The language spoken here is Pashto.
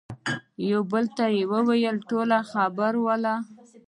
يوه بل وويل: ټول خبر ول.